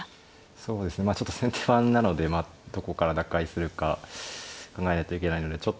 そうですねまあちょっと先手番なのでどこから打開するか考えないといけないのでちょっとそうですね